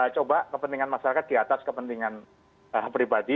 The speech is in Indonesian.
coba kepentingan masyarakat di atas kepentingan pribadi